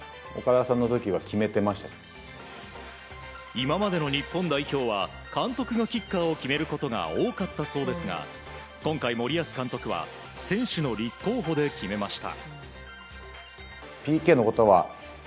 今までの日本代表は監督がキッカーを決めることが多かったそうですが今回、森保監督は選手の立候補で決めました。